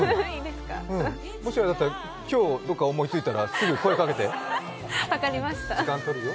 もしあれだったら今日、どこかで思いついたら言って、時間とるよ。